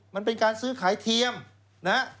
มันเป็นการซื้อขายเทียมนะฮะ